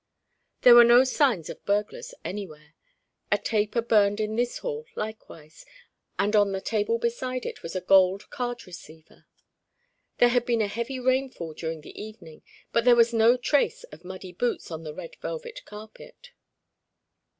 There were no signs of burglars anywhere. A taper burned in this hall, likewise, and on the table beside it was a gold card receiver. There had been a heavy rainfall during the evening, but there was no trace of muddy boots on the red velvet carpet.